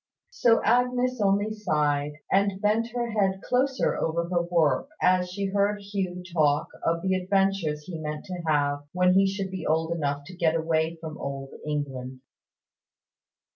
So Agnes only sighed, and bent her head closer over her work, as she heard Hugh talk of the adventures he meant to have when he should be old enough to get away from Old England.